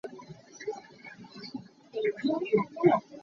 Na vok kha au ter tuk hlah.